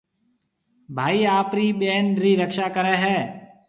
ڀائي آپرِي ٻين رِي رڪشا ڪريَ هيَ۔